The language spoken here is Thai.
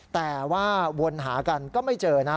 แต่ว่าวนหากันก็ไม่เจอนะ